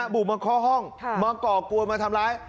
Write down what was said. บุกมาเคาะห้องมาก่อกวนมาทำร้าย